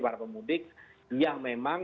para pemudik yang memang